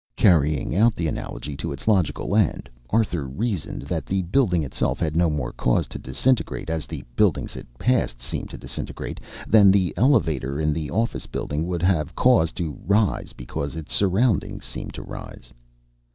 Carrying out the analogy to its logical end, Arthur reasoned that the building itself had no more cause to disintegrate, as the buildings it passed seemed to disintegrate, than the elevator in the office building would have cause to rise because its surroundings seemed to rise.